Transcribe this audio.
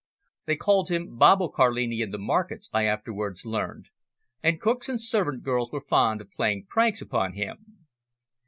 They called him "Babbo Carlini" in the markets, I afterwards learned, and cooks and servant girls were fond of playing pranks upon him.